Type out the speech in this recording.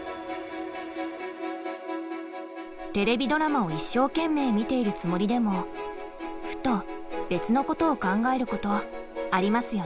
テレビドラマを一生懸命見ているつもりでもふと別のことを考えることありますよね。